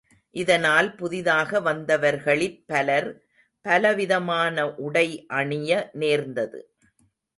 இதனால் புதிதாக வந்தவர்களிற் பலர் பலவிதமான உடை அணிய நேர்ந்தது.